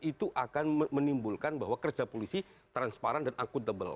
itu akan menimbulkan bahwa kerja polisi transparan dan akutabel